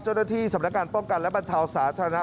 เจ้าหน้าที่สำนักการป้องกันและบรรเทาสาธารณะ